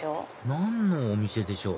何のお店でしょう？